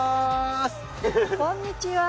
こんにちは。